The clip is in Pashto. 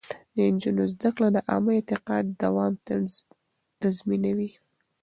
د نجونو زده کړه د عامه اعتماد دوام تضمينوي.